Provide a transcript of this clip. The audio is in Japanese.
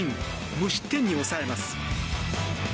無失点に抑えます。